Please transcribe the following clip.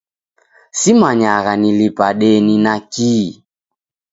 Simanyagha nilipa deni na kihi